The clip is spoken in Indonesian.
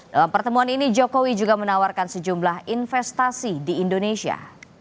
dalam pertemuan ini jokowi juga menawarkan sejumlah investasi di indonesia